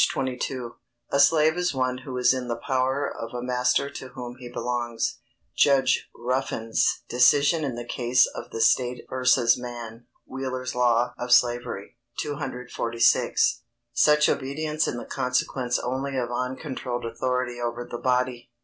22.] A slave is one who is in the power of a master to whom he belongs. [Sidenote: Judge Ruffin's Decision in the case of The State v. Mann. Wheeler's Law of Slavery, 246.] ——Such obedience is the consequence only of uncontrolled authority over the body.